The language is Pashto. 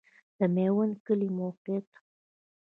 د میوند کلی موقعیت